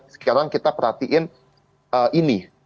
sekarang kita perhatiin ini